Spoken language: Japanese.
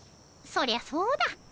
そりゃそうだ。